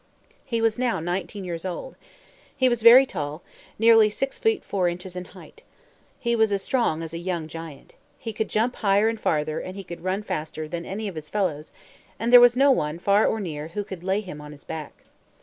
He was now nineteen years old. He was very tall nearly six feet four inches in height. He was as strong as a young giant. He could jump higher and farther, and he could run faster, than any of his fellows; and there was no one, far or near, who could lay him on his back.